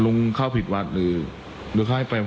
วัดนี้กับวัดบางเกลือบางสมัคร